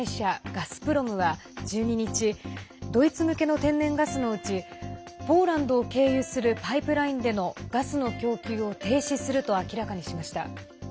ガスプロムは１２日ドイツ向けの天然ガスのうちポーランドを経由するパイプラインでのガスの供給を停止すると明らかにしました。